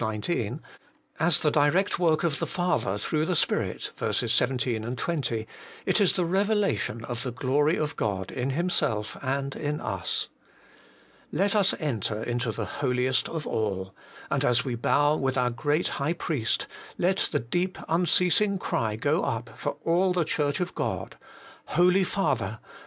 19), as the direct work of the Father through the Spirit (vers. IV, 20), it is the revelation of the glory of God in Himself and in us. Let us enter into the Holiest of all, and as we bow with our Great High Priest, let the deep, unceasing cry go up for all the Church of God, ' Holy Father